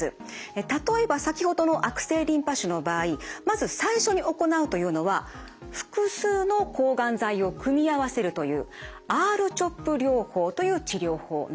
例えば先ほどの悪性リンパ腫の場合まず最初に行うというのは複数の抗がん剤を組み合わせるというＲ−ＣＨＯＰ療法という治療法なんです。